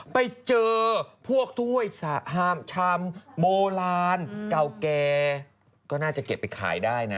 ไปเจอพวกถ้วยชามโบราณเก่าแก่ก็น่าจะเก็บไปขายได้นะ